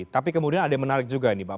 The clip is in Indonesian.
tapi kemudian ada yang menarik juga ini bang